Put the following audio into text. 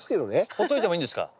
ほっといてもいいんですか？